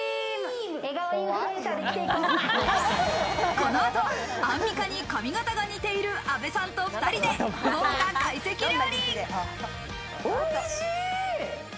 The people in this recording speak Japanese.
この後、アンミカに髪形が似ている阿部さんと２人で豪華懐石料理。